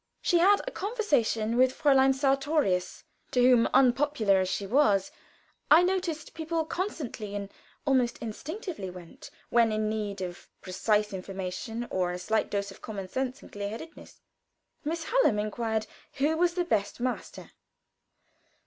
She had a conversation with Fräulein Sartorius, to whom, unpopular as she was, I noticed people constantly and almost instinctively went when in need of precise information or a slight dose of common sense and clear headedness. Miss Hallam inquired who was the best master.